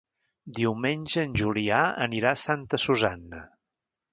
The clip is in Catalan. Diumenge en Julià anirà a Santa Susanna.